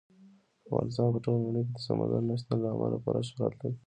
افغانستان په ټوله نړۍ کې د سمندر نه شتون له امله پوره شهرت لري.